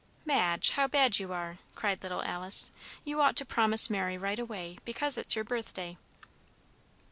"Madge, how bad you are!" cried little Alice. "You ought to promise Mary right away, because it's your birthday."